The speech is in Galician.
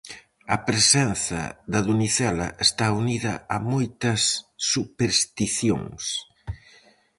A presenza da donicela está unida a moitas supersticións.